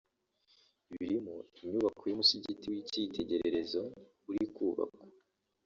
birimo inyubako y’umusigiti w’icyitegererezo uri kubakwa